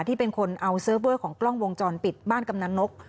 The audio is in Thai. ที่เป็นคนเอาเซิร์ฟเวอร์ของกล้องวงจรปิดบ้านกำนันนก